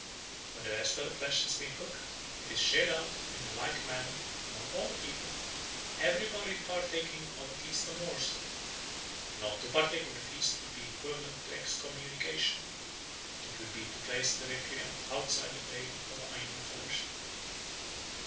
When the rest of the flesh has been cooked, it is shared out in like manner among all the people, everybody partaking of at least a morsel; not to partake of the feast would be equivalent to excommunication, it would be to place the recreant outside the pale of Aino fellowship.